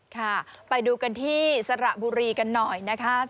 ค่ะไปดูกันที่สระบุรีกันหน่อยนะคะ